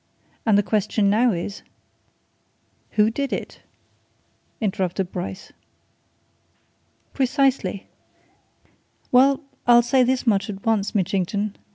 And the question now is " "Who did it?" interrupted Bryce. "Precisely! Well I'll say this much at once, Mitchington.